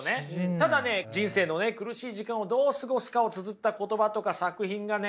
ただね人生のね苦しい時間をどう過ごすかをつづった言葉とか作品がね